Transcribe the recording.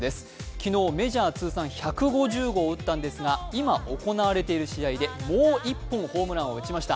昨日、メジャー通算１５０号を打ったんですが、今、行われている試合でもう１本ホームランを打ちました。